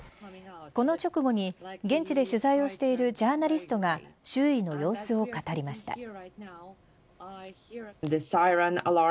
この直後に現地で取材をしているジャーナリストが周囲の様子を語りました。